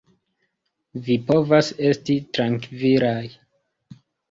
Vi povas esti trankvilaj.